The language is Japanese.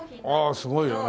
ああすごいよね。